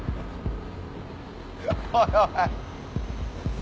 おいおい。